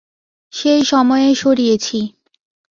সেই সময়ে সরিয়েছি।